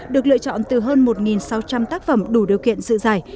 được lựa chọn từ hơn một sáu trăm linh tác phẩm đủ điều kiện dự giải